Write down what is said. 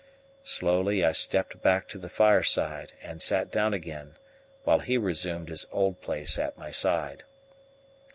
Slowly I stepped back to the fireside and sat down again, while he resumed his old place at my side.